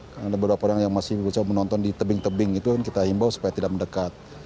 karena ada beberapa orang yang masih menonton di tebing tebing itu kita himbau supaya tidak mendekat